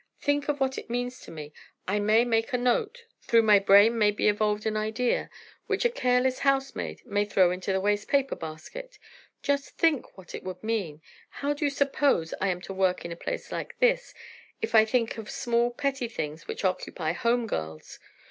Think what it means to me—I may make a note, through my brain may be evolved an idea, which a careless housemaid may throw into the waste paper basket. Just think what it would mean! How do you suppose I am to work in a place like this if I think of small, petty things which occupy home girls?